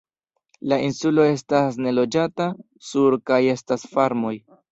La insulo estas neloĝata, sur kaj estas farmoj.